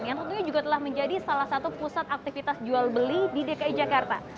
yang tentunya juga telah menjadi salah satu pusat aktivitas jual beli di dki jakarta